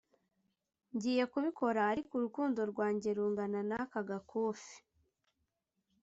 ngiye kubikora ariko urukundo rwanjye rungana naka gakufi